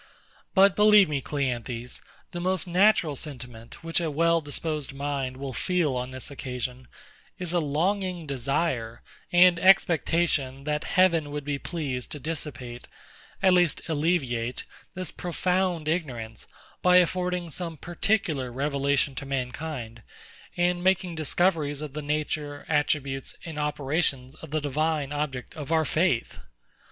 But believe me, CLEANTHES, the most natural sentiment which a well disposed mind will feel on this occasion, is a longing desire and expectation that Heaven would be pleased to dissipate, at least alleviate, this profound ignorance, by affording some more particular revelation to mankind, and making discoveries of the nature, attributes, and operations of the Divine object of our faith.